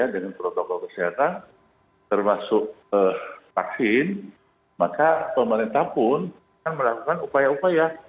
dengan protokol kesehatan termasuk vaksin maka pemerintah pun melakukan upaya upaya